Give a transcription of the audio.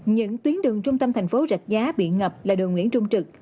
những tuyến đường trung tâm thành phố rạch giá bị ngập là đường nguyễn trung trực